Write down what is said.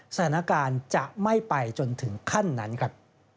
สถานการณ์จะไม่ไปจนถึงขั้นนั้นครับ